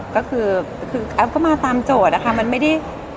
ก็คือแอฟก็มาตามโจทย์นะคะ